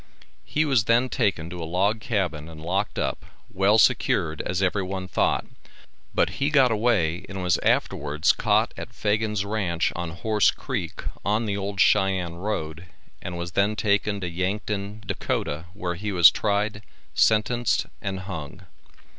He was then taken to a log cabin and locked up, well secured as every one thought, but he got away and was afterwards caught at Fagan's ranch on Horse Creek, on the old Cheyenne road and was then taken to Yankton, Dak., where he was tried, sentenced and hung.